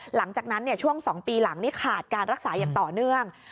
หลังจากนั้นช่วง๒ปีหลังนี่ขาดการรักษาอย่างต่อเนื่อง